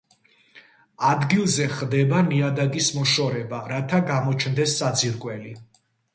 ადგილზე ხდება ნიადაგის მოშორება, რათა გამოჩნდეს საძირკველი.